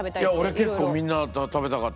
俺結構みんな食べたかった。